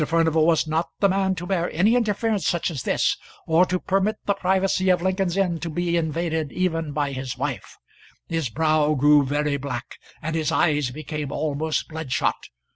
Furnival was not the man to bear any interference such as this, or to permit the privacy of Lincoln's Inn to be invaded even by his wife. His brow grew very black, and his eyes became almost bloodshot.